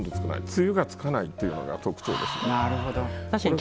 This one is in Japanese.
露がつかないというのが特徴ですね。